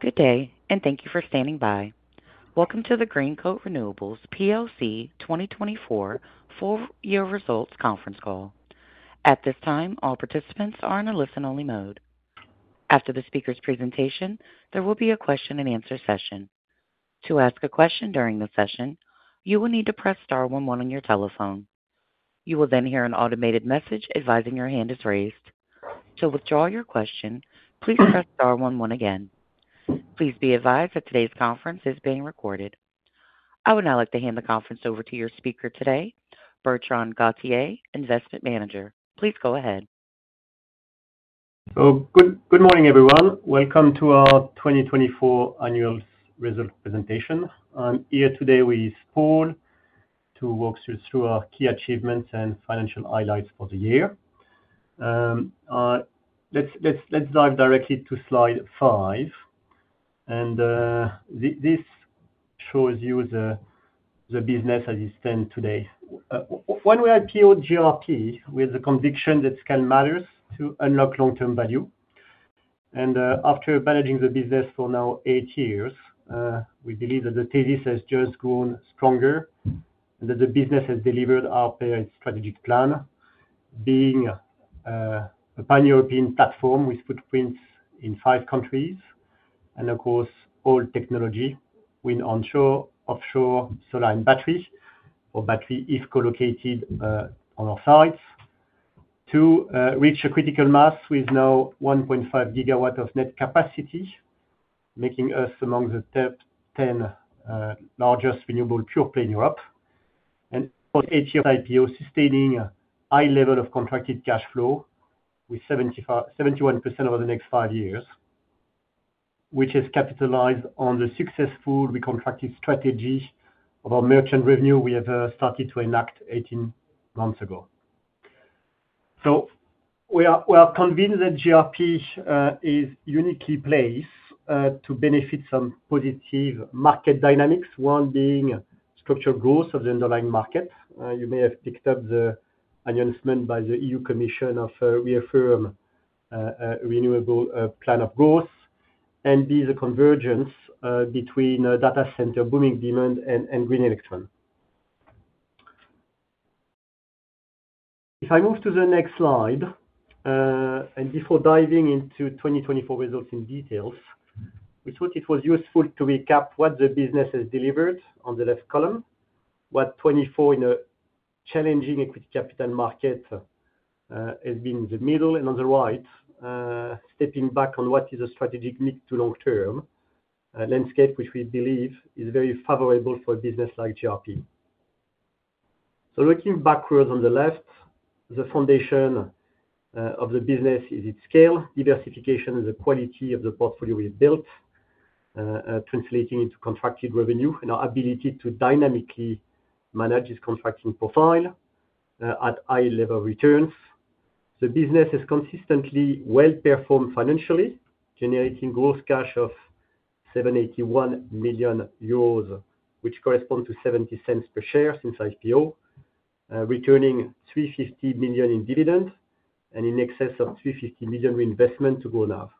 Good day, and thank you for standing by. Welcome to the Greencoat Renewables POC 2024 four-year results conference call. At this time, all participants are in a listen-only mode. After the speaker's presentation, there will be a question-and-answer session. To ask a question during the session, you will need to press star one one on your telephone. You will then hear an automated message advising your hand is raised. To withdraw your question, please press star one one again. Please be advised that today's conference is being recorded. I would now like to hand the conference over to your speaker today, Bertrand Gauthier, Investment Manager. Please go ahead. Good morning, everyone. Welcome to our 2024 annual result presentation. I'm here today with Paul to walk you through our key achievements and financial highlights for the year. Let's dive directly to slide five. This shows you the business as it stands today. When we IPOed GRP, we had the conviction that scale matters to unlock long-term value. After managing the business for now eight years, we believe that the thesis has just grown stronger and that the business has delivered our strategic plan, being a pan-European platform with footprints in five countries. Of course, all technology: wind onshore, offshore, solar and battery, or battery if co-located on our sites. To reach a critical mass with now 1.5 Gigawatts of net capacity, making us among the top 10 largest renewable pure-play in Europe. For eight years, IPO sustaining a high level of contracted cash flow with 71% over the next five years, which has capitalized on the successful reconstructed strategy of our merchant revenue we have started to enact 18 months ago. We are convinced that GRP is uniquely placed to benefit some positive market dynamics, one being structural growth of the underlying market. You may have picked up the announcement by the European Commission of reaffirming a renewable plan of growth, and be the convergence between data center booming demand and green electron. If I move to the next slide, and before diving into 2024 results in detail, we thought it was useful to recap what the business has delivered on the left column, what 2024 in a challenging equity capital market has been in the middle, and on the right, stepping back on what is a strategic need to long-term landscape, which we believe is very favorable for a business like GRP. Looking backwards on the left, the foundation of the business is its scale, diversification, and the quality of the portfolio we've built, translating into contracted revenue and our ability to dynamically manage this contracting profile at high-level returns. The business has consistently well performed financially, generating gross cash of 781 million euros, which corresponds to 0.70 per share since IPO, returning 350 million in dividends and in excess of 350 million reinvestment to grow NAV.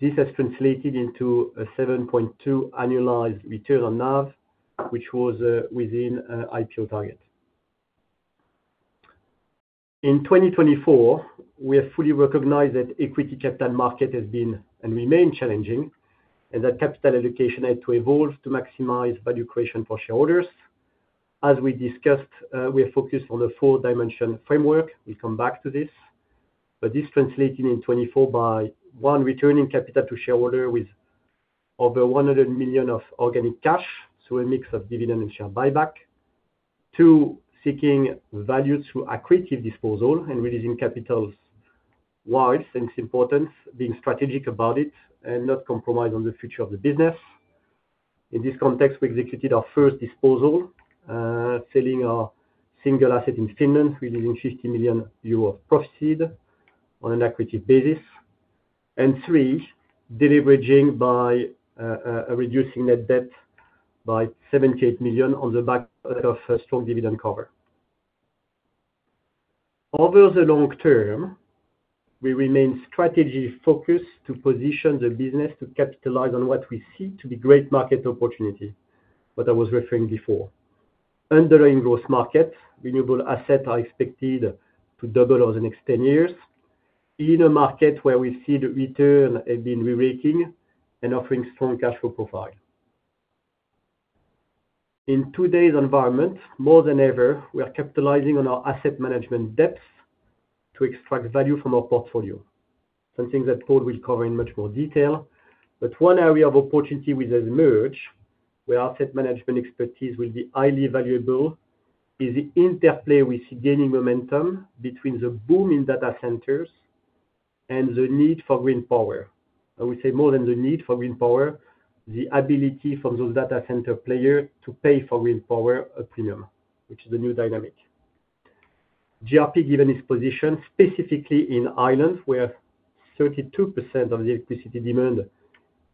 This has translated into a 7.2% annualized return on NAV, which was within IPO target. In 2024, we have fully recognized that the equity capital market has been and remains challenging, and that capital allocation had to evolve to maximize value creation for shareholders. As we discussed, we are focused on a four-dimensional framework. We will come back to this. This translated in 2024 by, one, returning capital to shareholders with over 100 million of organic cash, so a mix of dividend and share buyback; two, seeking value through accretive disposal and releasing capital wisely, hence importance, being strategic about it and not compromise on the future of the business. In this context, we executed our first disposal, selling our single asset in Finland, releasing 50 million euro of profit on an accretive basis. Three, deleveraging by reducing net debt by 78 million on the back of strong dividend cover. Over the long term, we remain strategy-focused to position the business to capitalize on what we see to be great market opportunities, what I was referring before. Underlying growth markets, renewable assets are expected to double over the next 10 years in a market where we see the return has been re-raking and offering strong cash flow profile. In today's environment, more than ever, we are capitalizing on our asset management depth to extract value from our portfolio, something that Paul will cover in much more detail. One area of opportunity with this merge, where asset management expertise will be highly valuable, is the interplay we see gaining momentum between the boom in data centers and the need for green power. I would say more than the need for green power, the ability for those data center players to pay for green power a premium, which is the new dynamic. GRP, given its position specifically in Ireland where 32% of the electricity demand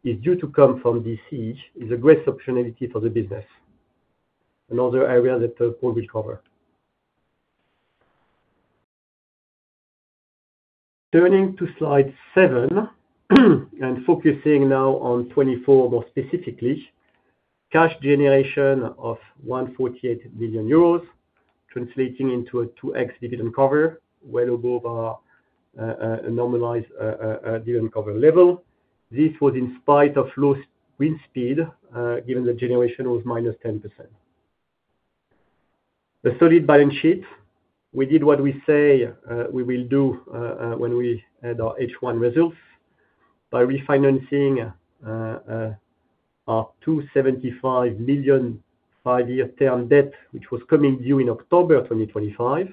is due to come from the sector, is a great optionality for the business. Another area that Paul will cover. Turning to slide seven and focusing now on 2024 more specifically, cash generation of 148 million euros, translating into a 2x dividend cover, well above our normalized dividend cover level. This was in spite of low wind speed, given the generation was minus 10%. The solid balance sheet, we did what we say we will do when we had our H1 results by refinancing our 275 million five-year term debt, which was coming due in October 2025.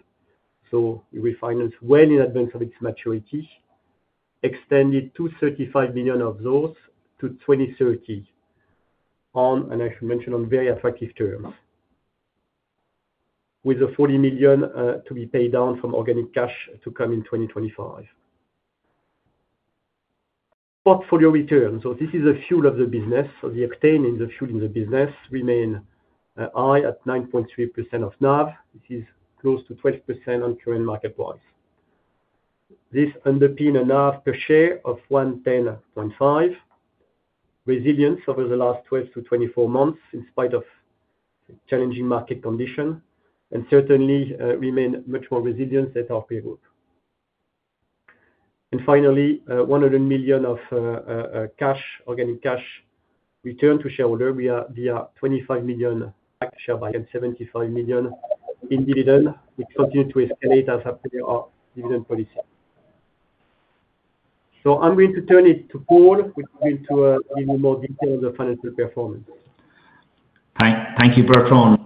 We refinanced well in advance of its maturity, extended 235 million of those to 2030, and I should mention, on very attractive terms, with 40 million to be paid down from organic cash to come in 2025. Portfolio return, this is the fuel of the business. The octane is the fuel in the business, remains high at 9.3% of NAV. This is close to 12% on current market price. This underpins a NAV per share of 110.5. Resilience over the last 12-24 months, in spite of challenging market conditions, certainly remains much more resilient than our pre-group. Finally, 100 million of cash, organic cash return to shareholder. We are 25 million share buy and 75 million in dividend. We continue to escalate as per our dividend policy. I'm going to turn it to Paul, who's going to give you more detail on the financial performance. Thank you, Bertrand.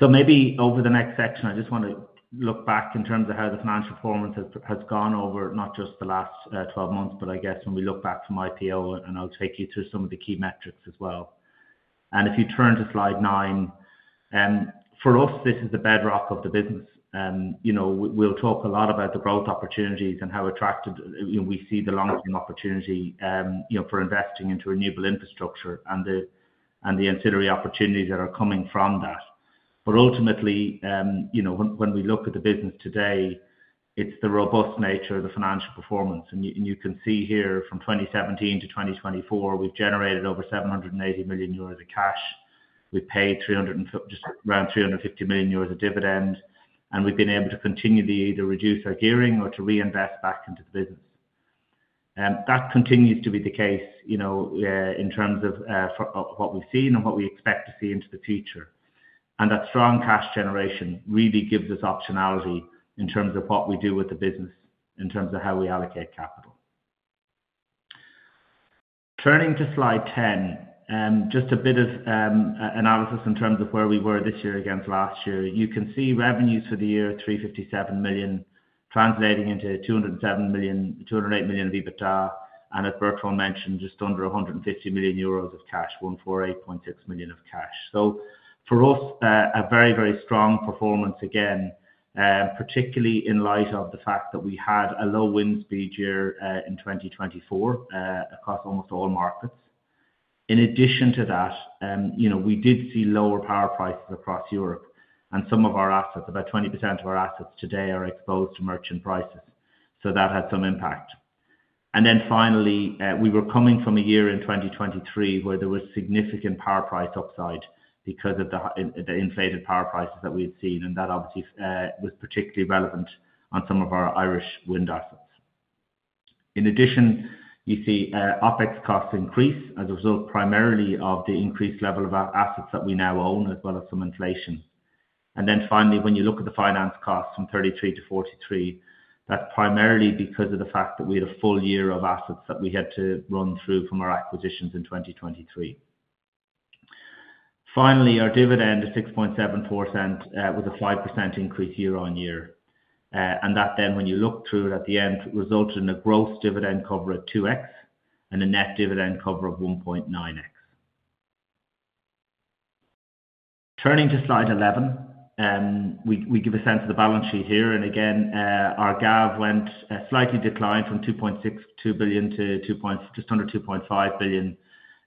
Maybe over the next section, I just want to look back in terms of how the financial performance has gone over not just the last 12 months, but I guess when we look back from IPO, and I'll take you through some of the key metrics as well. If you turn to slide nine, for us, this is the bedrock of the business. We will talk a lot about the growth opportunities and how attractive we see the long-term opportunity for investing into renewable infrastructure and the ancillary opportunities that are coming from that. Ultimately, when we look at the business today, it is the robust nature of the financial performance. You can see here from 2017 to 2024, we have generated over 780 million euros of cash. We've paid just around 350 million euros of dividend, and we've been able to continually either reduce our gearing or to reinvest back into the business. That continues to be the case in terms of what we've seen and what we expect to see into the future. That strong cash generation really gives us optionality in terms of what we do with the business, in terms of how we allocate capital. Turning to slide 10, just a bit of analysis in terms of where we were this year against last year. You can see revenues for the year, 357 million, translating into 208 million of EBITDA. As Bertrand Gauthier mentioned, just under 150 million euros of cash, 148.6 million of cash. For us, a very, very strong performance again, particularly in light of the fact that we had a low wind speed year in 2024 across almost all markets. In addition to that, we did see lower power prices across Europe, and some of our assets, about 20% of our assets today, are exposed to merchant prices. That had some impact. Finally, we were coming from a year in 2023 where there was significant power price upside because of the inflated power prices that we had seen, and that obviously was particularly relevant on some of our Irish wind assets. In addition, you see OpEx costs increase as a result primarily of the increased level of assets that we now own, as well as some inflation. Finally, when you look at the finance costs from 33 million to 43 million, that is primarily because of the fact that we had a full year of assets that we had to run through from our acquisitions in 2023. Finally, our dividend at 6.74% was a 5% increase year on year. That then, when you look through it at the end, resulted in a gross dividend cover at 2x and a net dividend cover of 1.9x. Turning to slide 11, we give a sense of the balance sheet here. Again, our GAV went slightly declined from 2.62 billion to just under 2.5 billion.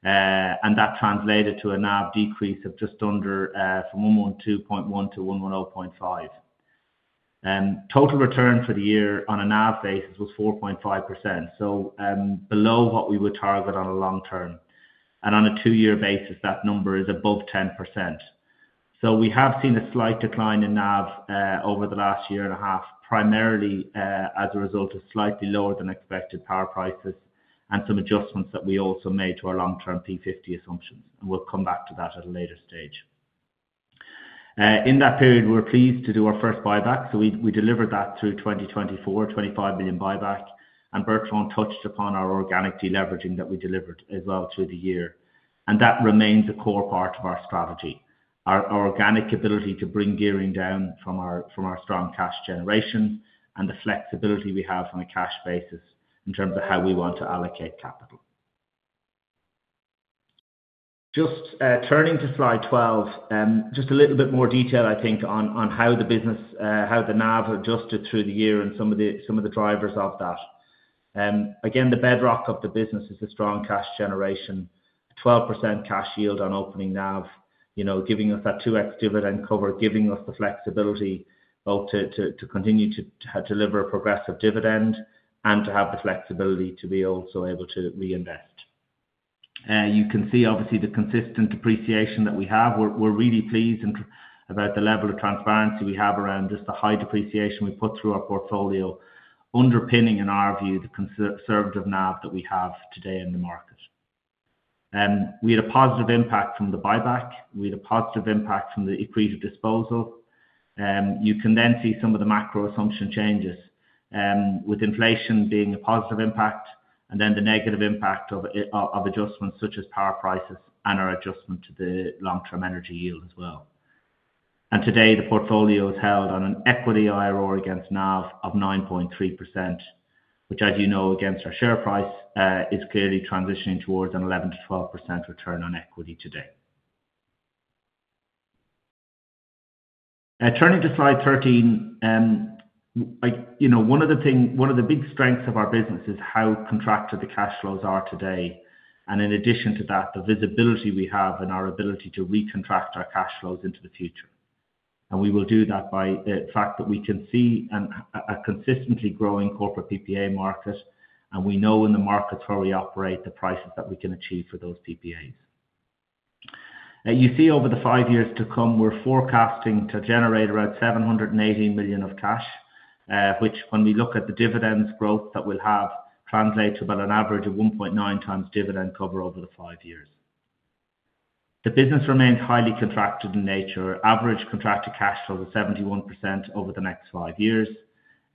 That translated to a NAV decrease of just under from 112.1 to 110.5. Total return for the year on a NAV basis was 4.5%, below what we would target on a long term. On a two-year basis, that number is above 10%. We have seen a slight decline in NAV over the last year and a half, primarily as a result of slightly lower than expected power prices and some adjustments that we also made to our long-term P50 assumptions. We will come back to that at a later stage. In that period, we were pleased to do our first buyback. We delivered that through 2024, 25 million buyback. Bertrand touched upon our organic deleveraging that we delivered as well through the year. That remains a core part of our strategy, our organic ability to bring gearing down from our strong cash generation and the flexibility we have on a cash basis in terms of how we want to allocate capital. Just turning to slide 12, just a little bit more detail, I think, on how the business, how the NAV adjusted through the year and some of the drivers of that. Again, the bedrock of the business is the strong cash generation, 12% cash yield on opening NAV, giving us that 2x dividend cover, giving us the flexibility to continue to deliver a progressive dividend and to have the flexibility to be also able to reinvest. You can see, obviously, the consistent depreciation that we have. We're really pleased about the level of transparency we have around just the high depreciation we put through our portfolio, underpinning, in our view, the conservative NAV that we have today in the market. We had a positive impact from the buyback. We had a positive impact from the accretive disposal. You can then see some of the macro assumption changes, with inflation being a positive impact and then the negative impact of adjustments such as power prices and our adjustment to the long-term energy yield as well. Today, the portfolio is held on an equity IRO against NAV of 9.3%, which, as you know, against our share price, is clearly transitioning towards an 11-12% return on equity today. Turning to slide 13, one of the big strengths of our business is how contracted the cash flows are today. In addition to that, the visibility we have and our ability to recontract our cash flows into the future. We will do that by the fact that we can see a consistently growing corporate PPA market. We know in the markets where we operate the prices that we can achieve for those PPAs. You see, over the five years to come, we're forecasting to generate around 780 million of cash, which, when we look at the dividends growth that we'll have, translates to about an average of 1.9 times dividend cover over the five years. The business remains highly contracted in nature. Average contracted cash flow is 71% over the next five years.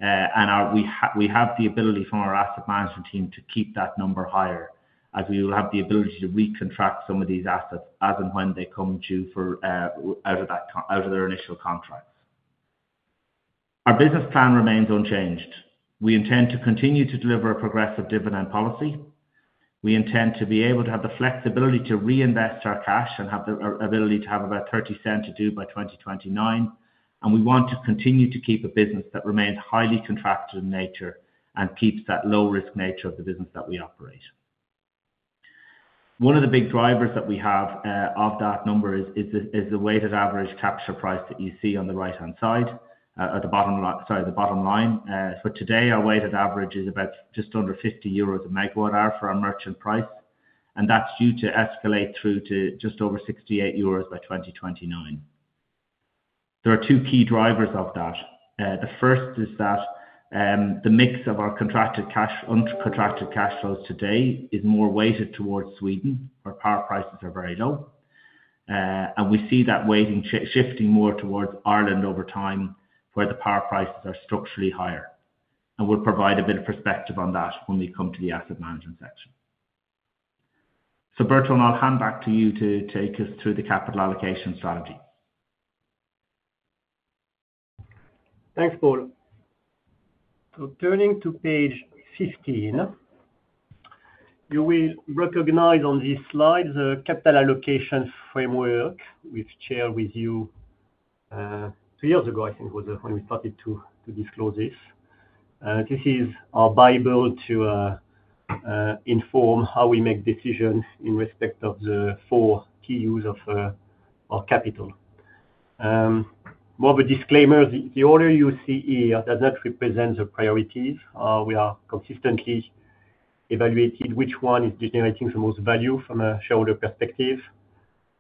We have the ability from our asset management team to keep that number higher, as we will have the ability to recontract some of these assets as and when they come due out of their initial contracts. Our business plan remains unchanged. We intend to continue to deliver a progressive dividend policy. We intend to be able to have the flexibility to reinvest our cash and have the ability to have about 30% to do by 2029. We want to continue to keep a business that remains highly contracted in nature and keeps that low-risk nature of the business that we operate. One of the big drivers that we have of that number is the weighted average capture price that you see on the right-hand side, at the bottom line. Today, our weighted average is about just under 50 euros a megawatt-hour for our merchant price. That is due to escalate through to just over 68 euros by 2029. There are two key drivers of that. The first is that the mix of our contracted cash flows today is more weighted towards Sweden, where power prices are very low. We see that shifting more towards Ireland over time, where the power prices are structurally higher. We will provide a bit of perspective on that when we come to the asset management section. Bertrand, I'll hand back to you to take us through the capital allocation strategy. Thanks, Paul. Turning to page 15, you will recognize on these slides the capital allocation framework, which I shared with you two years ago, I think, when we started to disclose this. This is our Bible to inform how we make decisions in respect of the four key use of our capital. More of a disclaimer, the order you see here does not represent the priorities. We are consistently evaluating which one is generating the most value from a shareholder perspective,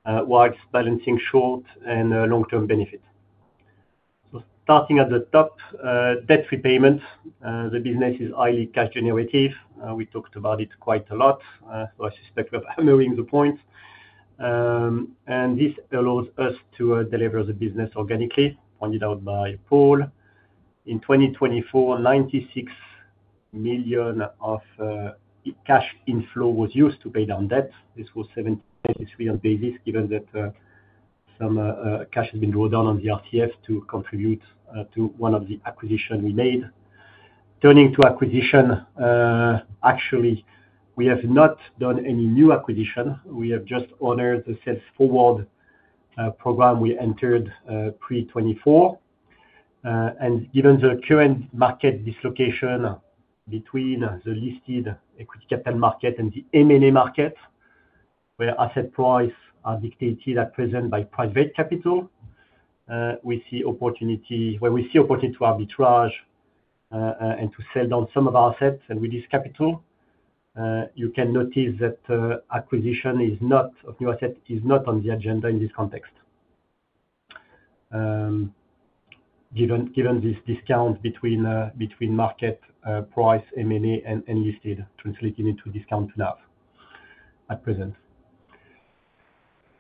why it's balancing short and long-term benefit. Starting at the top, debt repayments. The business is highly cash generative. We talked about it quite a lot, so I suspect we're hammering the point. This allows us to deliver the business organically, pointed out by Paul. In 2024, 96 million of cash inflow was used to pay down debt. This was 73 on basis, given that some cash has been drawn down on the RCF to contribute to one of the acquisitions we made. Turning to acquisition, actually, we have not done any new acquisition. We have just honored the sales forward program we entered pre-2024. Given the current market dislocation between the listed equity capital market and the M&A market, where asset prices are dictated at present by private capital, where we see opportunity to arbitrage and to sell down some of our assets and release capital, you can notice that acquisition of new assets is not on the agenda in this context, given this discount between market price, M&A, and listed, translating into discount to NAV at present.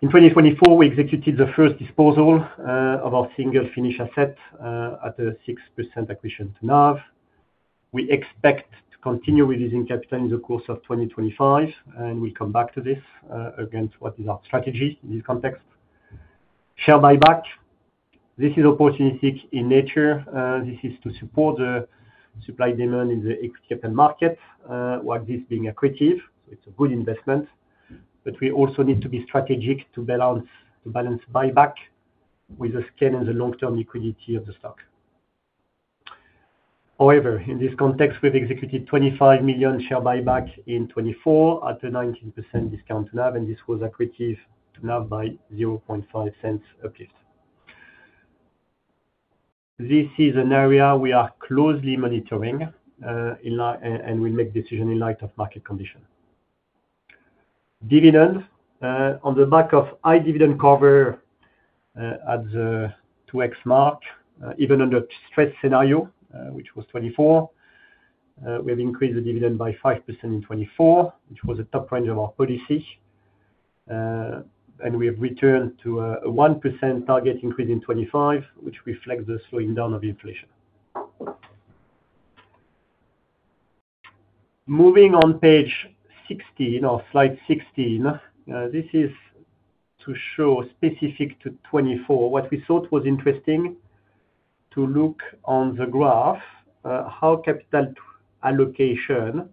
In 2024, we executed the first disposal of our single Finnish asset at a 6% acquisition to NAV. We expect to continue releasing capital in the course of 2025, and we'll come back to this against what is our strategy in this context. Share buyback, this is opportunistic in nature. This is to support the supply-demand in the equity capital market, while this being accretive. It is a good investment. We also need to be strategic to balance buyback with the scale and the long-term liquidity of the stock. However, in this context, we've executed 25 million share buyback in 2024 at a 19% discount to NAV, and this was accretive to NAV by 0.005 uplift. This is an area we are closely monitoring, and we'll make decisions in light of market condition. Dividends, on the back of high dividend cover at the 2x mark, even under stress scenario, which was 2024, we have increased the dividend by 5% in 2024, which was the top range of our policy. We have returned to a 1% target increase in 2025, which reflects the slowing down of inflation. Moving on page 16, or slide 16, this is to show specific to 2024, what we thought was interesting to look on the graph, how capital allocation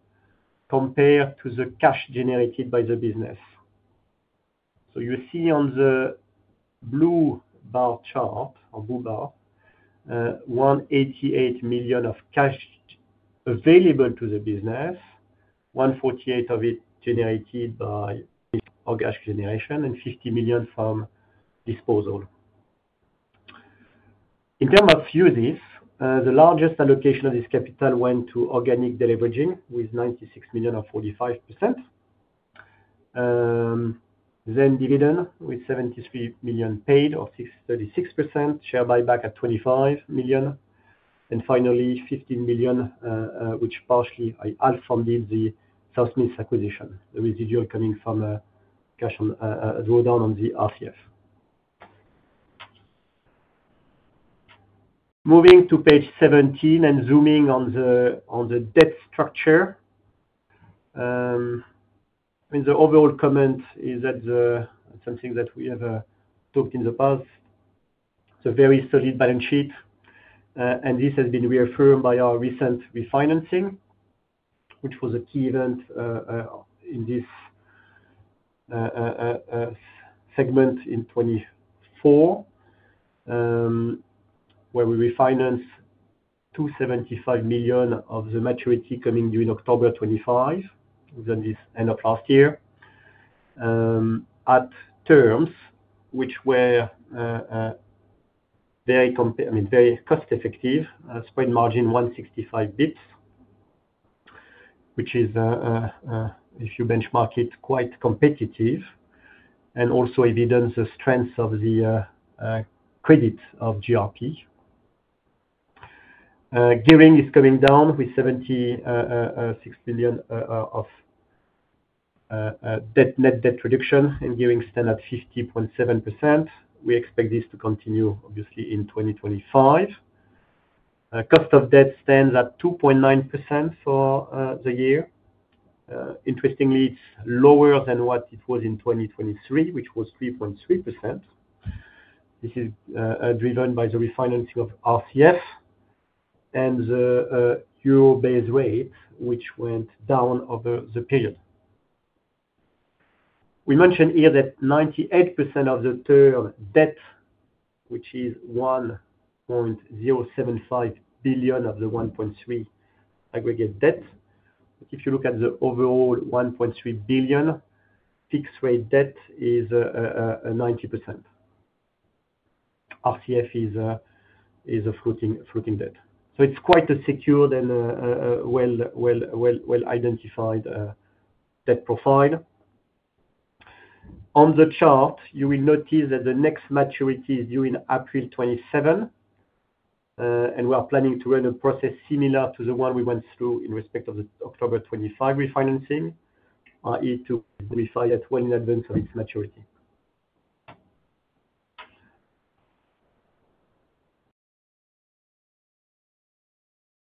compared to the cash generated by the business. You see on the blue bar chart, or blue bar, 188 million of cash available to the business, 148 million of it generated by cash generation, and 50 million from disposal. In terms of uses, the largest allocation of this capital went to organic deleveraging with 96 million or 45%. Dividend with 73 million paid of 36%, share buyback at 25 million. Finally, 15 million, which partially I outfunded the sales miss acquisition, the residual coming from a drawdown on the RCF. Moving to page 17 and zooming on the debt structure. The overall comment is that it's something that we have talked in the past. It's a very solid balance sheet. This has been reaffirmed by our recent refinancing, which was a key event in this segment in 2024, where we refinanced 275 million of the maturity coming due in October 2025, this end of last year, at terms which were very cost-effective, spread margin 165 basis points, which is, if you benchmark it, quite competitive. It also evidences the strength of the credit of GRP. Gearing is coming down with 76 million of net debt reduction, and gearing stands at 50.7%. We expect this to continue, obviously, in 2025. Cost of debt stands at 2.9% for the year. Interestingly, it's lower than what it was in 2023, which was 3.3%. This is driven by the refinancing of RCF and the euro-based rate, which went down over the period. We mentioned here that 98% of the term debt, which is 1.075 billion of the 1.3 aggregate debt. If you look at the overall 1.3 billion fixed-rate debt, it is 90%. RCF is a floating debt. It is quite a secured and well-identified debt profile. On the chart, you will notice that the next maturity is due in April 2027. We are planning to run a process similar to the one we went through in respect of the October 2025 refinancing, i.e., to refinance well in advance of its maturity.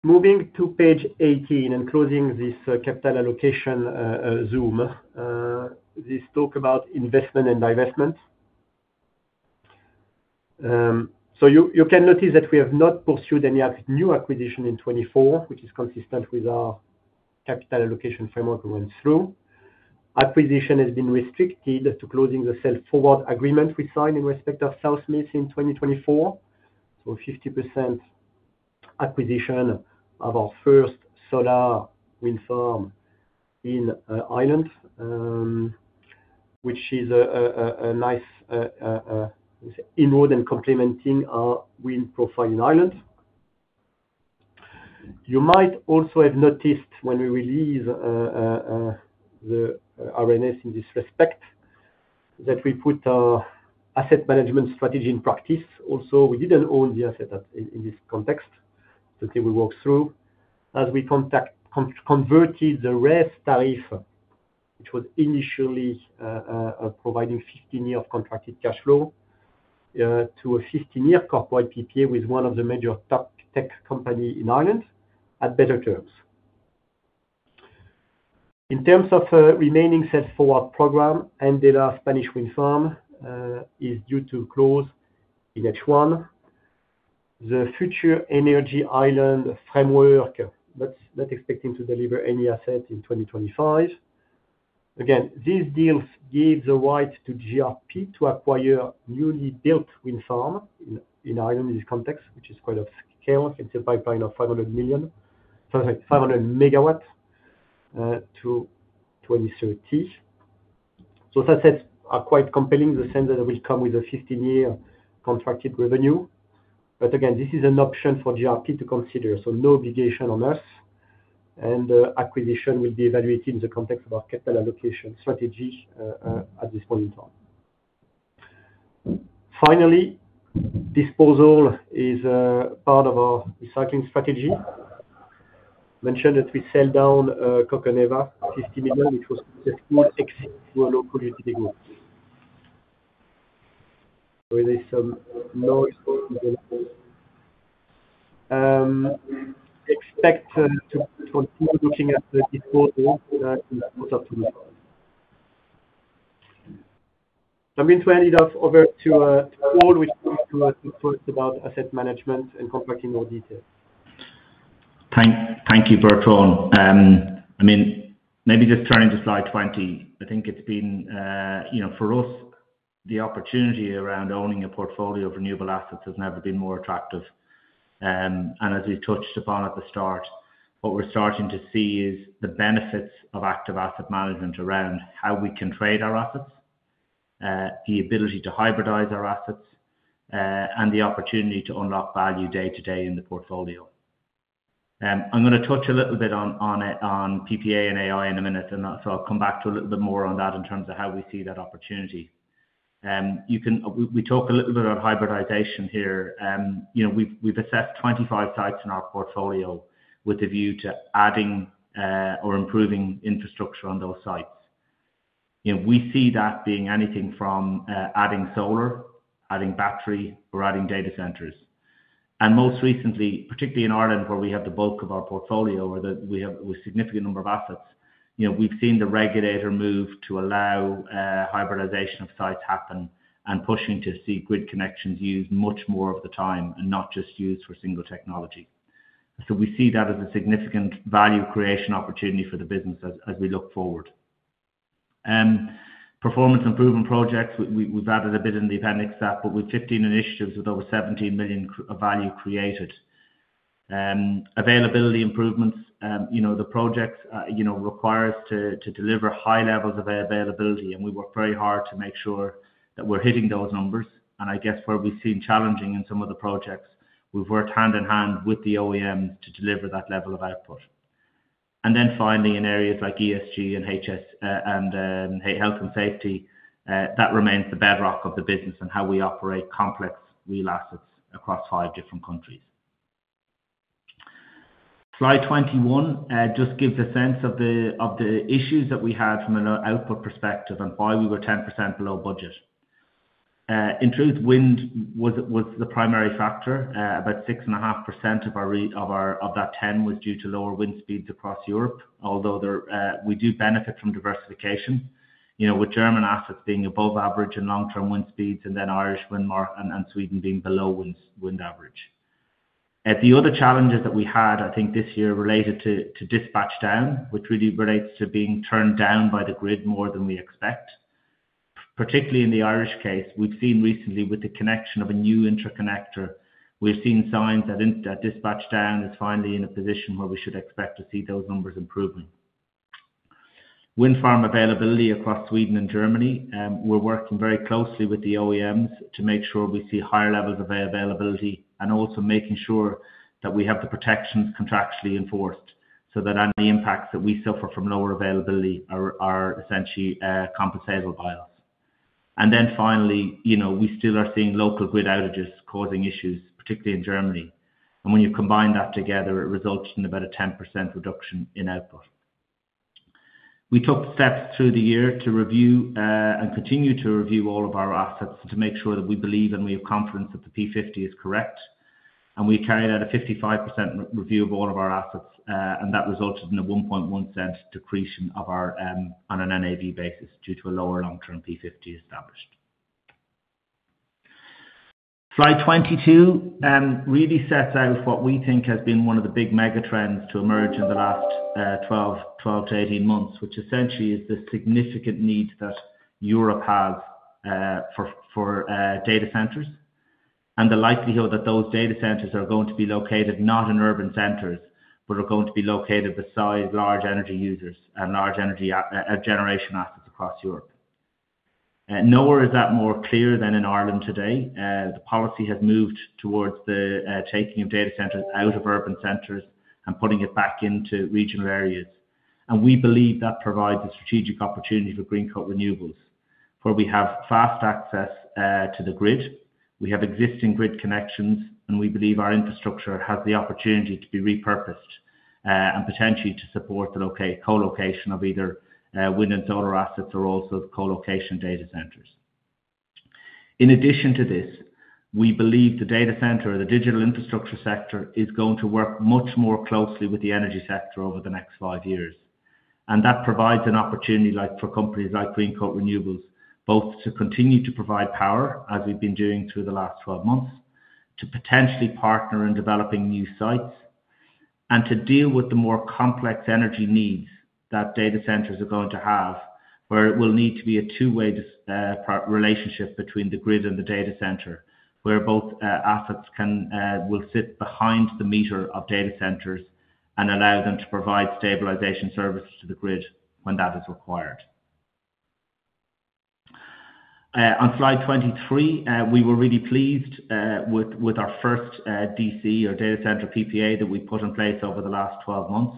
Moving to page 18 and closing this capital allocation zoom, this talk about investment and divestment. You can notice that we have not pursued any new acquisition in 2024, which is consistent with our capital allocation framework we went through. Acquisition has been restricted to closing the sales forward agreement we signed in respect of sales miss in 2024. 50% acquisition of our first solar wind farm in Ireland, which is a nice inroad and complementing our wind profile in Ireland. You might also have noticed when we released the R&S in this respect that we put our asset management strategy in practice. Also, we did not own the asset in this context. It is something we worked through. As we converted the RES tariff, which was initially providing 15-year contracted cash flow, to a 15-year corporate PPA with one of the major tech companies in Ireland at better terms. In terms of remaining sales forward program, Endesa Spanish wind farm is due to close in H1. The Future Energy Ireland framework, not expecting to deliver any asset in 2025. Again, these deals give the right to GRP to acquire newly built wind farm in Ireland in this context, which is quite of scale. It's a pipeline of 500 megawatts to 2030. Assets are quite compelling in the sense that it will come with a 15-year contracted revenue. Again, this is an option for GRP to consider. No obligation on us. The acquisition will be evaluated in the context of our capital allocation strategy at this point in time. Finally, disposal is part of our recycling strategy. I mentioned that we sell down Coconeva, EUR 50 million, which was successful, exit to a local utility group. There is some noise going on. Expect to continue looking at the disposal in the course of 2024. I'm going to hand it off over to Paul, which will talk to us about asset management and contracting more details. Thank you, Bertrand. I mean, maybe just turning to slide 20, I think it's been, for us, the opportunity around owning a portfolio of renewable assets has never been more attractive. As we touched upon at the start, what we're starting to see is the benefits of active asset management around how we can trade our assets, the ability to hybridize our assets, and the opportunity to unlock value day-to-day in the portfolio. I'm going to touch a little bit on PPA and AI in a minute, and I'll come back to a little bit more on that in terms of how we see that opportunity. We talk a little bit about hybridization here. We've assessed 25 sites in our portfolio with a view to adding or improving infrastructure on those sites. We see that being anything from adding solar, adding battery, or adding data centers. Most recently, particularly in Ireland, where we have the bulk of our portfolio, or we have a significant number of assets, we've seen the regulator move to allow hybridization of sites to happen and pushing to see grid connections used much more of the time and not just used for single technology. We see that as a significant value creation opportunity for the business as we look forward. Performance improvement projects, we've added a bit in the appendix, but with 15 initiatives with over 17 million of value created. Availability improvements, the projects require us to deliver high levels of availability, and we work very hard to make sure that we're hitting those numbers. I guess where we've seen challenging in some of the projects, we've worked hand in hand with the OEMs to deliver that level of output. Finally, in areas like ESG and health and safety, that remains the bedrock of the business and how we operate complex real assets across five different countries. Slide 21 just gives a sense of the issues that we had from an output perspective and why we were 10% below budget. In truth, wind was the primary factor. About 6.5% of that 10% was due to lower wind speeds across Europe, although we do benefit from diversification, with German assets being above average in long-term wind speeds, and then Irish wind and Sweden being below wind average. The other challenges that we had, I think this year, related to dispatch down, which really relates to being turned down by the grid more than we expect. Particularly in the Irish case, we've seen recently with the connection of a new interconnector, we've seen signs that dispatch down is finally in a position where we should expect to see those numbers improving. Wind farm availability across Sweden and Germany, we're working very closely with the OEMs to make sure we see higher levels of availability and also making sure that we have the protections contractually enforced so that the impacts that we suffer from lower availability are essentially compensated by us. Finally, we still are seeing local grid outages causing issues, particularly in Germany. When you combine that together, it results in about a 10% reduction in output. We took steps through the year to review and continue to review all of our assets to make sure that we believe and we have confidence that the P50 is correct. We carried out a 55% review of all of our assets, and that resulted in a 1.1% decrease on an NAV basis due to a lower long-term P50 established. Slide 22 really sets out what we think has been one of the big megatrends to emerge in the last 12 to 18 months, which essentially is the significant need that Europe has for data centers and the likelihood that those data centers are going to be located not in urban centers, but are going to be located beside large energy users and large energy generation assets across Europe. Nowhere is that more clear than in Ireland today. The policy has moved towards the taking of data centers out of urban centers and putting it back into regional areas. We believe that provides a strategic opportunity for Greencoat Renewables, where we have fast access to the grid, we have existing grid connections, and we believe our infrastructure has the opportunity to be repurposed and potentially to support the co-location of either wind and solar assets or also co-location data centers. In addition to this, we believe the data center or the digital infrastructure sector is going to work much more closely with the energy sector over the next five years. That provides an opportunity for companies like Greencoat Renewables, both to continue to provide power, as we have been doing through the last 12 months, to potentially partner in developing new sites, and to deal with the more complex energy needs that data centers are going to have, where it will need to be a two-way relationship between the grid and the data center, where both assets will sit behind the meter of data centers and allow them to provide stabilization services to the grid when that is required. On slide 23, we were really pleased with our first DC or data center PPA that we put in place over the last 12 months.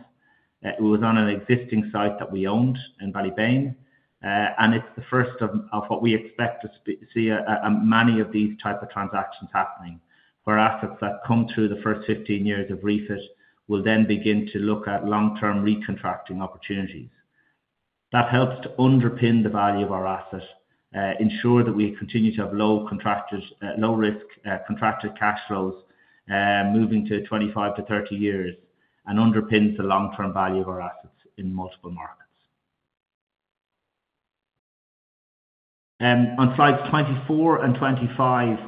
It was on an existing site that we owned in Valley Bane. It is the first of what we expect to see, many of these types of transactions happening, where assets that come through the first 15 years of REFIT will then begin to look at long-term recontracting opportunities. That helps to underpin the value of our asset, ensure that we continue to have low contracted cash flows moving to 25-30 years, and underpins the long-term value of our assets in multiple markets. On slides 24 and 25,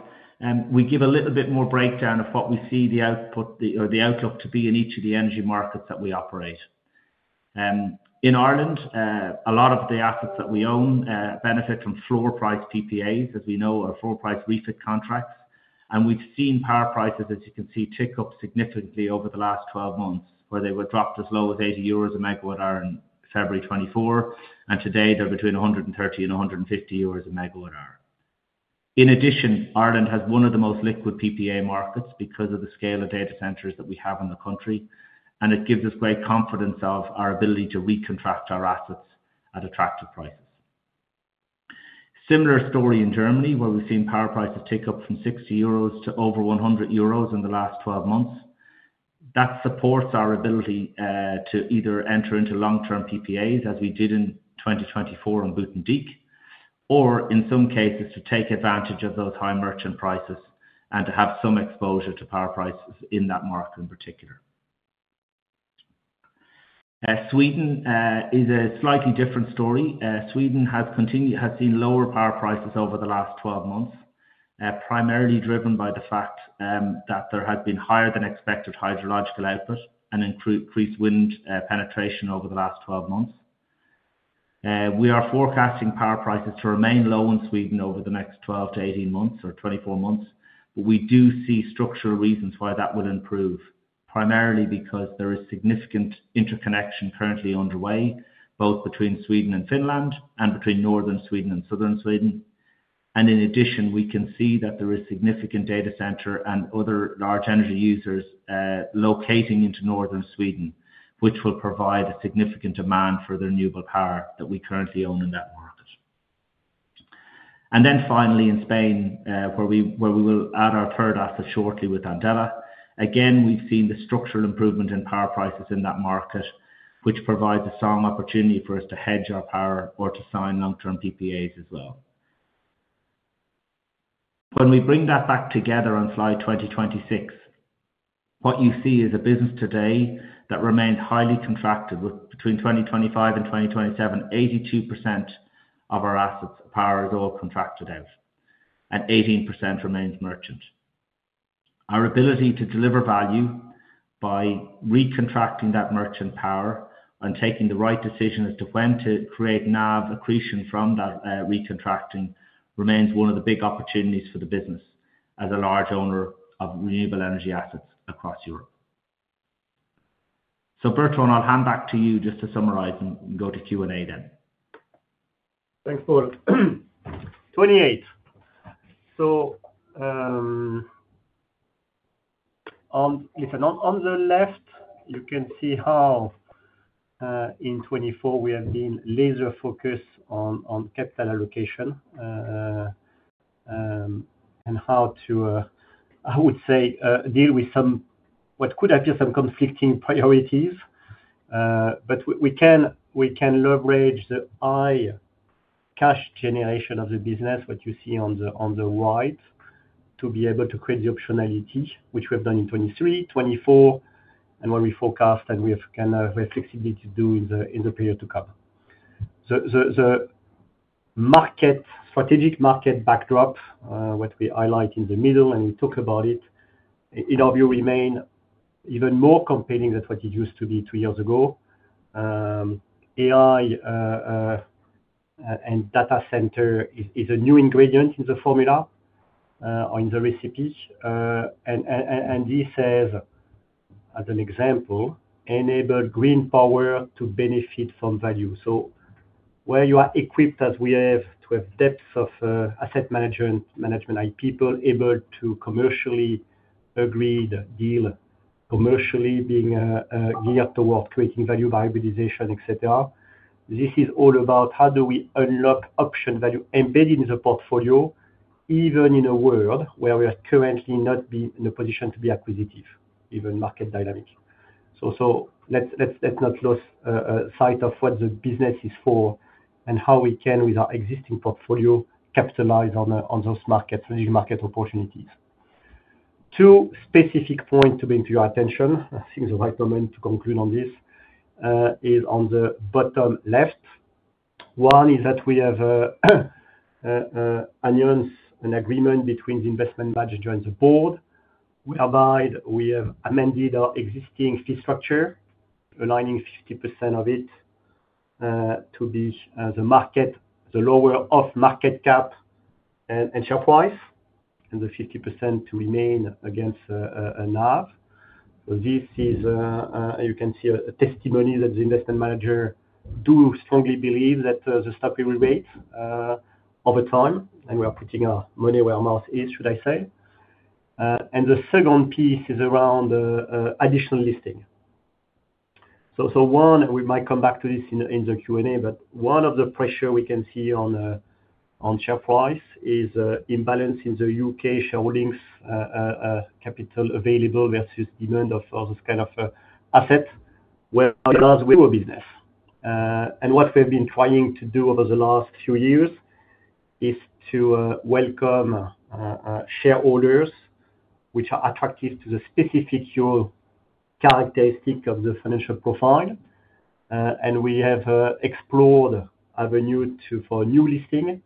we give a little bit more breakdown of what we see the output or the outlook to be in each of the energy markets that we operate. In Ireland, a lot of the assets that we own benefit from floor price PPAs, as we know, or floor price REFIT contracts. We've seen power prices, as you can see, tick up significantly over the last 12 months, where they dropped as low as 80 euros a megawatt hour in February 2024. Today, they're between 130-150 euros a megawatt hour. In addition, Ireland has one of the most liquid PPA markets because of the scale of data centers that we have in the country. It gives us great confidence of our ability to recontract our assets at attractive prices. Similar story in Germany, where we've seen power prices tick up from 60 euros to over 100 euros in the last 12 months. That supports our ability to either enter into long-term PPAs, as we did in 2024 on Bouton Dick, or in some cases, to take advantage of those high merchant prices and to have some exposure to power prices in that market in particular. Sweden is a slightly different story. Sweden has seen lower power prices over the last 12 months, primarily driven by the fact that there has been higher than expected hydrological output and increased wind penetration over the last 12 months. We are forecasting power prices to remain low in Sweden over the next 12-18 months or 24 months, but we do see structural reasons why that will improve, primarily because there is significant interconnection currently underway, both between Sweden and Finland and between northern Sweden and southern Sweden. In addition, we can see that there is significant data center and other large energy users locating into northern Sweden, which will provide a significant demand for the renewable power that we currently own in that market. Finally, in Spain, where we will add our third asset shortly with Endesa, again, we have seen the structural improvement in power prices in that market, which provides a strong opportunity for us to hedge our power or to sign long-term PPAs as well. When we bring that back together on slide 2026, what you see is a business today that remains highly contracted. Between 2025 and 2027, 82% of our assets' power is all contracted out, and 18% remains merchant. Our ability to deliver value by recontracting that merchant power and taking the right decision as to when to create NAV accretion from that recontracting remains one of the big opportunities for the business as a large owner of renewable energy assets across Europe. Bertrand, I will hand back to you just to summarize and go to Q&A then. Thanks, Paul. Twenty-eight. On the left, you can see how in 2024 we have been laser-focused on capital allocation and how to, I would say, deal with what could appear some conflicting priorities. We can leverage the high cash generation of the business, what you see on the right, to be able to create the optionality, which we have done in 2023, 2024, and what we forecast, and we have kind of flexibility to do in the period to come. The strategic market backdrop, what we highlight in the middle, and we talk about it, in our view, remains even more compelling than what it used to be two years ago. AI and data center is a new ingredient in the formula or in the recipe. This has, as an example, enabled green power to benefit from value. Where you are equipped, as we have, to have depth of asset management, people able to commercially agree deal, commercially being geared towards creating value viabilization, et cetera, this is all about how do we unlock option value embedded in the portfolio, even in a world where we are currently not in a position to be acquisitive, even market dynamic. Let's not lose sight of what the business is for and how we can, with our existing portfolio, capitalize on those markets, strategic market opportunities. Two specific points to bring to your attention. I think the right moment to conclude on this is on the bottom left. One is that we have an agreement between the investment manager and the board, whereby we have amended our existing fee structure, aligning 50% of it to be the lower of market cap and share price, and the 50% to remain against NAV. This is, you can see, a testimony that the investment manager do strongly believe that the stock will rebate over time, and we are putting our money where our mouth is, should I say. The second piece is around additional listing. One, and we might come back to this in the Q&A, but one of the pressures we can see on share price is imbalance in the U.K. shareholdings capital available versus demand of this kind of asset, whereas we do a business. What we've been trying to do over the last few years is to welcome shareholders which are attractive to the specific characteristic of the financial profile. We have explored a venue for new listing,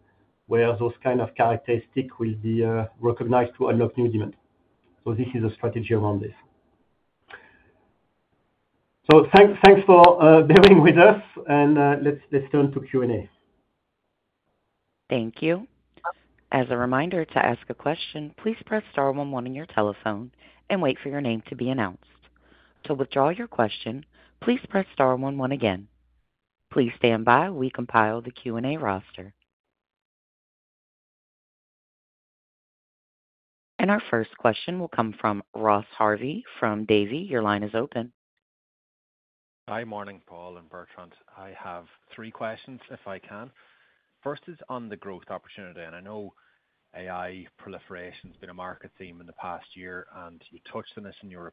where those kind of characteristics will be recognized to unlock new demand. This is a strategy around this. Thanks for bearing with us, and let's turn to Q&A. Thank you. As a reminder to ask a question, please press star one ine on your telephone and wait for your name to be announced. To withdraw your question, please press star 11 again. Please stand by while we compile the Q&A roster. Our first question will come from Ross Harvey from Davy. Your line is open. Hi, morning, Paul and Bertrand. I have three questions, if I can. First is on the growth opportunity. I know AI proliferation has been a market theme in the past year, and you touched on this in your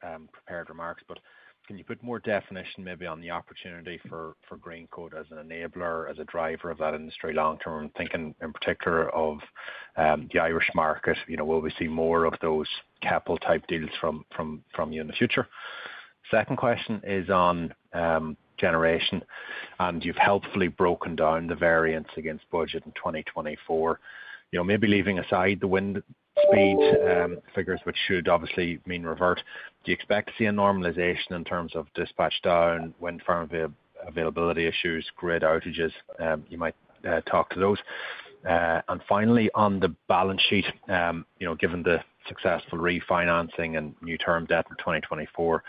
prepared remarks, but can you put more definition maybe on the opportunity for Greencoat as an enabler, as a driver of that industry long term, thinking in particular of the Irish market? Will we see more of those capital type deals from you in the future? Second question is on generation. You have helpfully broken down the variance against budget in 2024, maybe leaving aside the wind speed figures, which should obviously mean revert. Do you expect to see a normalization in terms of dispatch down, wind farm availability issues, grid outages? You might talk to those. Finally, on the balance sheet, given the successful refinancing and new term debt in 2024,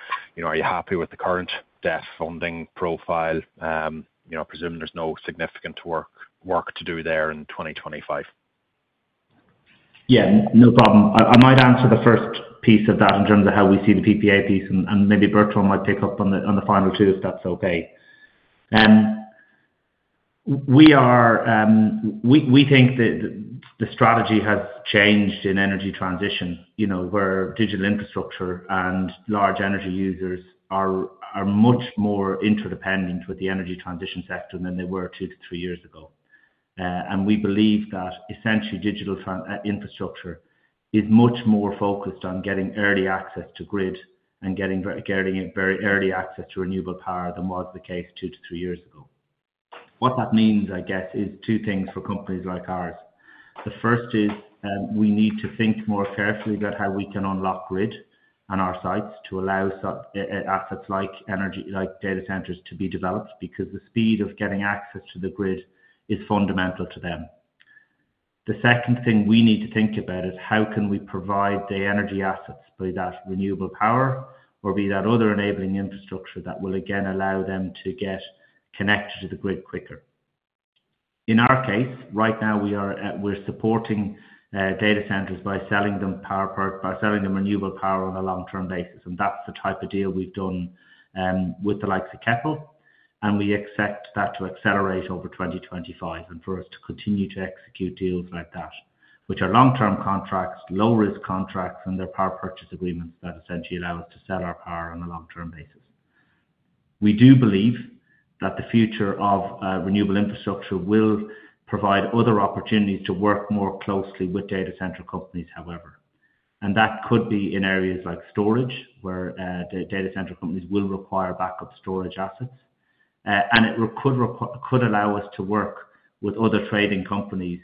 are you happy with the current debt funding profile? Presuming there's no significant work to do there in 2025. Yeah, no problem. I might answer the first piece of that in terms of how we see the PPA piece, and maybe Bertrand might pick up on the final two if that's okay. We think that the strategy has changed in energy transition, where digital infrastructure and large energy users are much more interdependent with the energy transition sector than they were two to three years ago. We believe that essentially digital infrastructure is much more focused on getting early access to grid and getting very early access to renewable power than was the case two to three years ago. What that means, I guess, is two things for companies like ours. The first is we need to think more carefully about how we can unlock grid and our sites to allow assets like data centers to be developed because the speed of getting access to the grid is fundamental to them. The second thing we need to think about is how can we provide the energy assets, be that renewable power or be that other enabling infrastructure, that will again allow them to get connected to the grid quicker. In our case, right now, we're supporting data centers by selling them renewable power on a long-term basis. That's the type of deal we've done with the likes of Keppel. We expect that to accelerate over 2025 and for us to continue to execute deals like that, which are long-term contracts, low-risk contracts, and they're power purchase agreements that essentially allow us to sell our power on a long-term basis. We do believe that the future of renewable infrastructure will provide other opportunities to work more closely with data center companies, however. That could be in areas like storage, where data center companies will require backup storage assets. It could allow us to work with other trading companies,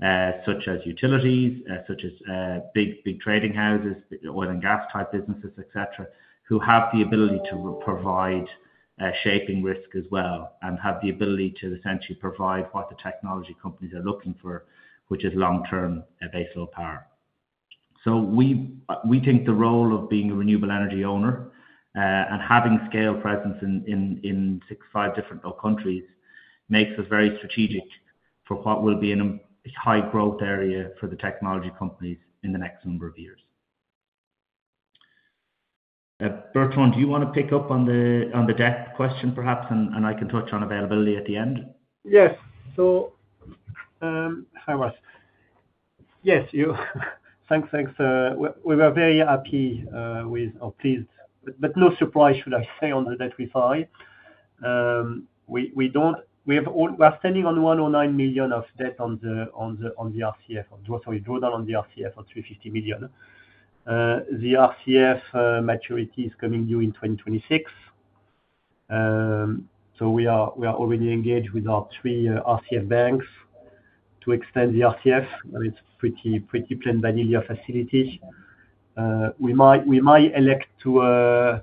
such as utilities, such as big trading houses, oil and gas type businesses, et cetera, who have the ability to provide shaping risk as well and have the ability to essentially provide what the technology companies are looking for, which is long-term baseload power. We think the role of being a renewable energy owner and having scale presence in six, five different countries makes us very strategic for what will be a high growth area for the technology companies in the next number of years. Bertrand, do you want to pick up on the debt question, perhaps, and I can touch on availability at the end? Yes. Hi Ross. Yes, thanks. We were very happy with or pleased, but no surprise, should I say, on the debt refi. We are standing on 109 million of debt on the RCF, sorry, drawdown on the RCF of 350 million. The RCF maturity is coming due in 2026. We are already engaged with our three RCF banks to extend the RCF. It's a pretty plain vanilla facility. We might elect to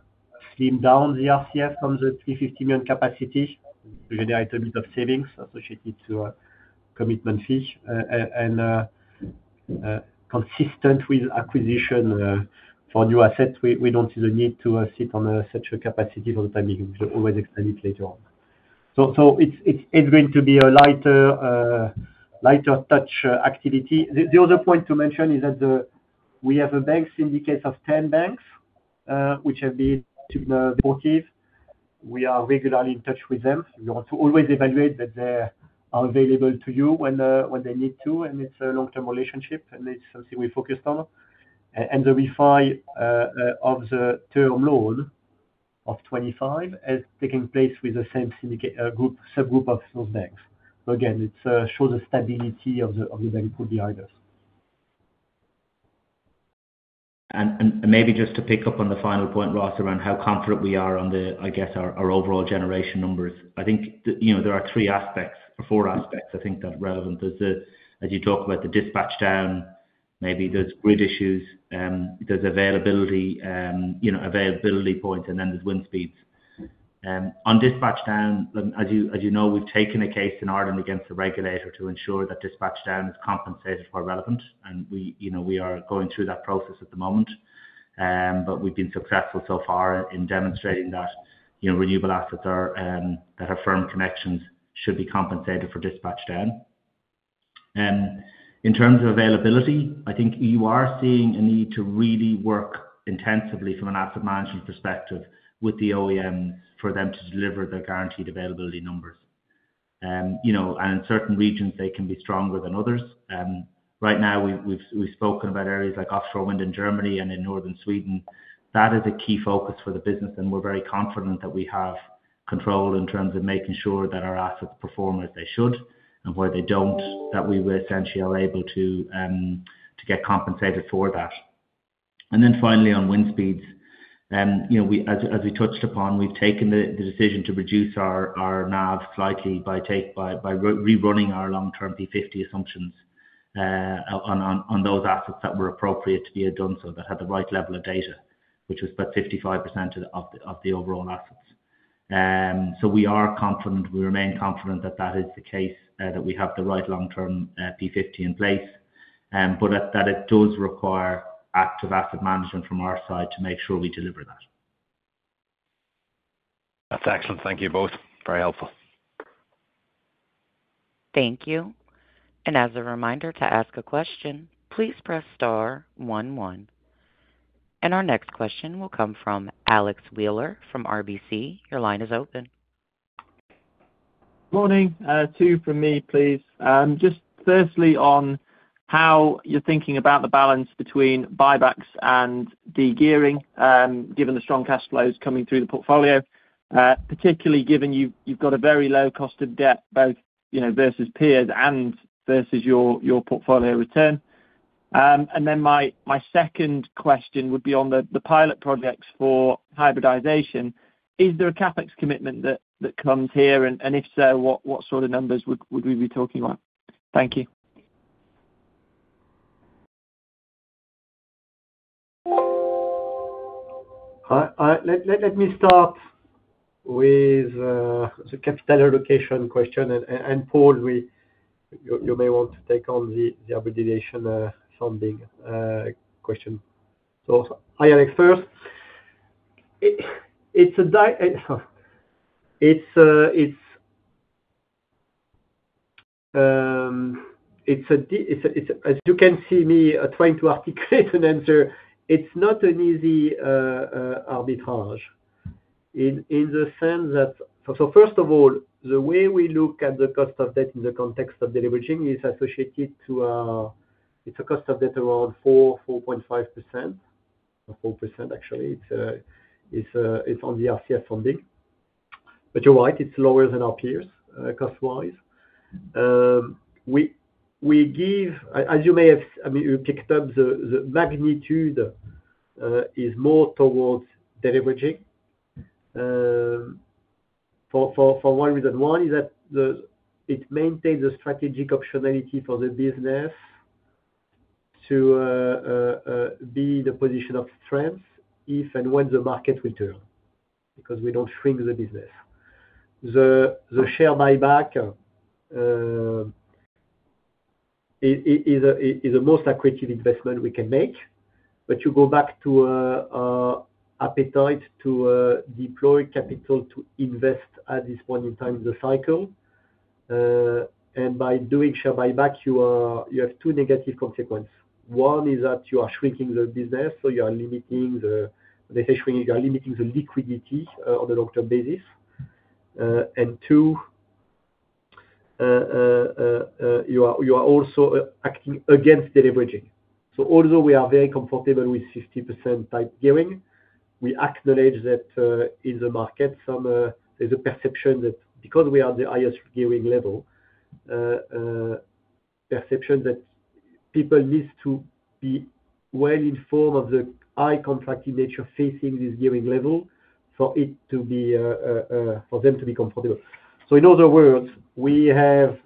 slim down the RCF from the 350 million capacity to generate a bit of savings associated to commitment fees and consistent with acquisition for new assets. We don't see the need to sit on such a capacity for the time being. We'll always extend it later on. It's going to be a lighter touch activity. The other point to mention is that we have a bank syndicate of 10 banks, which have been supportive. We are regularly in touch with them. We want to always evaluate that they are available to you when they need to, and it's a long-term relationship, and it's something we focused on. The refin of the term loan of 2025 is taking place with the same subgroup of those banks. It shows the stability of the bank behind us. Maybe just to pick up on the final point, Ross, around how confident we are on, I guess, our overall generation numbers. I think there are three aspects or four aspects, I think, that are relevant. As you talk about the dispatch down, maybe there are grid issues, there are availability points, and then there are wind speeds. On dispatch down, as you know, we have taken a case in Ireland against the regulator to ensure that dispatch down is compensated for relevance. We are going through that process at the moment, but we have been successful so far in demonstrating that renewable assets that have firm connections should be compensated for dispatch down. In terms of availability, I think you are seeing a need to really work intensively from an asset management perspective with the OEMs for them to deliver their guaranteed availability numbers. In certain regions, they can be stronger than others. Right now, we've spoken about areas like offshore wind in Germany and in northern Sweden. That is a key focus for the business, and we're very confident that we have control in terms of making sure that our assets perform as they should and where they don't, that we were essentially able to get compensated for that. Finally, on wind speeds, as we touched upon, we've taken the decision to reduce our NAV slightly by rerunning our long-term P50 assumptions on those assets that were appropriate to be done so that had the right level of data, which was about 55% of the overall assets. We are confident, we remain confident that that is the case, that we have the right long-term P50 in place, but that it does require active asset management from our side to make sure we deliver that. That's excellent. Thank you both. Very helpful. Thank you. As a reminder to ask a question, please press star one one. Our next question will come from Alex Wheeler from RBC. Your line is open. Morning. Two from me, please. Just firstly on how you're thinking about the balance between buybacks and degearing, given the strong cash flows coming through the portfolio, particularly given you've got a very low cost of debt both versus peers and versus your portfolio return. My second question would be on the pilot projects for hybridization. Is there a CapEx commitment that comes here? If so, what sort of numbers would we be talking about? Thank you. All right. Let me start with the capital allocation question. Paul, you may want to take on the hybridization funding question. Hi, Alex first. It's, as you can see me trying to articulate an answer, it's not an easy arbitrage in the sense that, first of all, the way we look at the cost of debt in the context of delivery is associated to a, it's a cost of debt around 4-4.5%, or 4% actually. It's on the RCF funding. You're right, it's lower than our peers cost-wise. As you may have, I mean, you picked up the magnitude is more towards delivery for one reason. One is that it maintains a strategic optionality for the business to be in the position of strength if and when the market will turn because we don't shrink the business. The share buyback is the most accurate investment we can make. You go back to appetite to deploy capital to invest at this point in time in the cycle. By doing share buyback, you have two negative consequences. One is that you are shrinking the business, so you are limiting the, let's say, you are limiting the liquidity on a long-term basis. Two, you are also acting against delivery. Although we are very comfortable with 50% type gearing, we acknowledge that in the market, there's a perception that because we are the highest gearing level, perception that people need to be well informed of the high contracting nature facing this gearing level for it to be for them to be comfortable. In other words, we have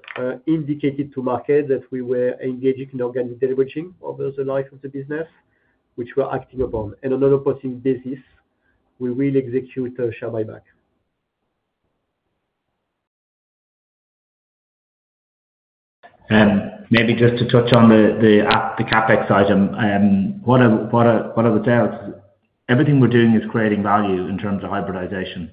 indicated to market that we were engaging in organic delivery over the life of the business, which we are acting upon. On an on-passing basis, we will execute share buyback. Maybe just to touch on the CapEx item, one of the tales, everything we're doing is creating value in terms of hybridization.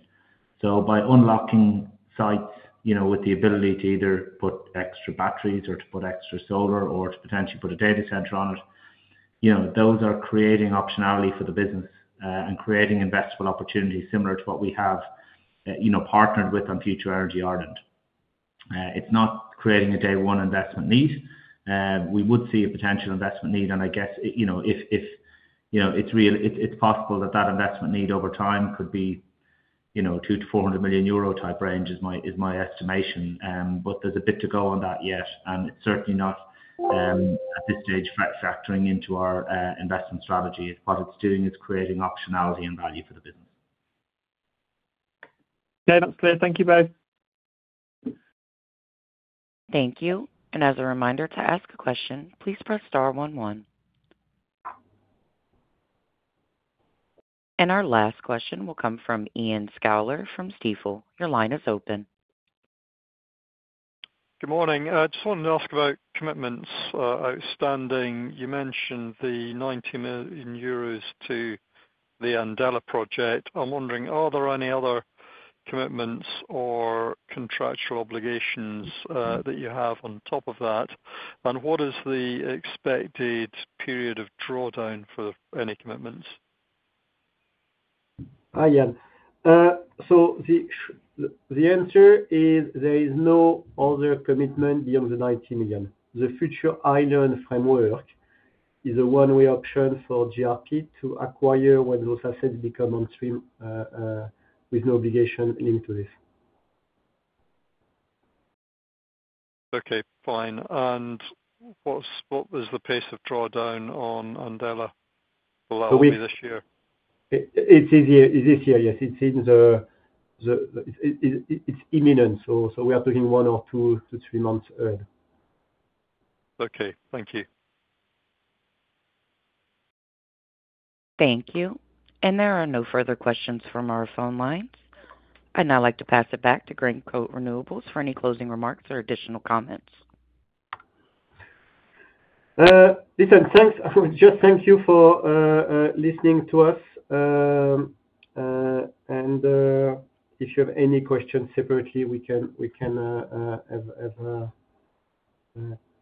By unlocking sites with the ability to either put extra batteries or to put extra solar or to potentially put a data center on it, those are creating optionality for the business and creating investable opportunities similar to what we have partnered with on Future Energy Ireland. It's not creating a day-one investment need. We would see a potential investment need, and I guess if it's possible that that investment need over time could be 200 million-400 million euro type range is my estimation, but there's a bit to go on that yet. It's certainly not at this stage factoring into our investment strategy. What it's doing is creating optionality and value for the business. Okay, that's clear. Thank you both. Thank you. As a reminder to ask a question, please press star . Our last question will come from Iain Scouller from Stifel. Your line is open. Good morning. I just wanted to ask about commitments outstanding. You mentioned the 90 million euros to the Endesa project. I'm wondering, are there any other commitments or contractual obligations that you have on top of that? What is the expected period of drawdown for any commitments? Hi, Iain. The answer is there is no other commitment beyond the 90 million. The Future Energy Ireland framework is a one-way option for GRP to acquire when those assets become on stream with no obligation linked to this. Okay, fine. What was the pace of drawdown on Endesa for last year? It's this year, yes. It's imminent. We are talking one or two to three months ahead. Okay. Thank you. Thank you. There are no further questions from our phone lines. I would like to pass it back to Greencoat Renewables for any closing remarks or additional comments. Everyone, thanks. Just thank you for listening to us. If you have any questions separately, we can have a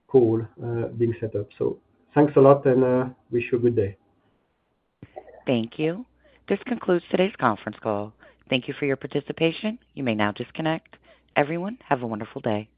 call being set up. Thanks a lot, and wish you a good day. Thank you. This concludes today's conference call. Thank you for your participation. You may now disconnect. Everyone, have a wonderful day.